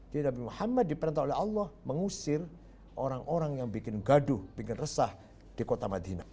jadi nabi muhammad diperintah oleh allah mengusir orang orang yang bikin gaduh bikin resah di kota madinah